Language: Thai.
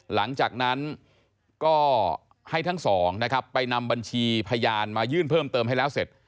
หลังจากนั้นก็ให้ทั้งสองนะครับไปนำบัญชีพยานมายื่นเพิ่มเติมให้แล้วเสร็จ